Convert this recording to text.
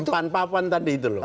pan papan tadi itu loh